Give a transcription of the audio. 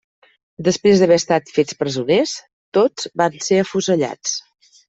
Després d'haver estat fets presoners, tots van ser afusellats.